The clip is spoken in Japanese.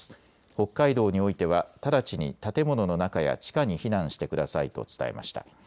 北海道においては直ちに建物の中や地下に避難してくださいと伝えました。